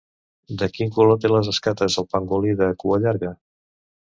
De quin color té les escates el Pangolí de cua llarga?